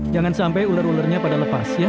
jangan sampai ular ularnya pada lepas ya